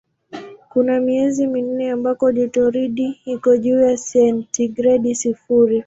Kuna miezi minne ambako jotoridi iko juu ya sentigredi sifuri.